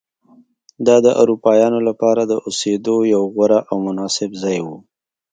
دا د اروپایانو لپاره د اوسېدو یو غوره او مناسب ځای و.